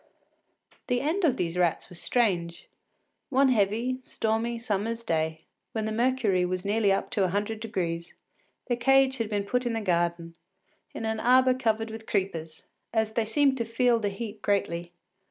The end of these rats was strange. One heavy, stormy summer’s day, when the mercury was nearly up to a hundred degrees, their cage had been put in the garden, in an arbour covered with creepers, as they seemed to feel the heat greatly.